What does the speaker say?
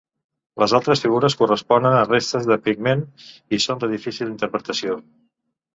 Les altres figures corresponen a restes de pigment i són de difícil interpretació.